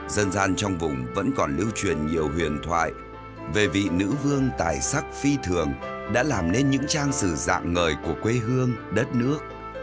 dân gian trong vùng vẫn còn lưu truyền nhiều huyền thoại về vị nữ vương tài sắc phi thường đã làm nên những trang sử dạng ngời của quê hương đất nước